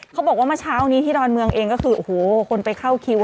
เขาบอกว่าเมื่อเช้านี้ที่ดอนเมืองเองก็คือโอ้โหคนไปเข้าคิว